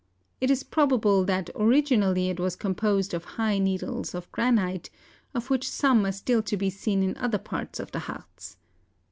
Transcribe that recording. It is probable that originally it was composed of high needles of granite, of ^ffiich some are still to be seen in other parts of the Hartz.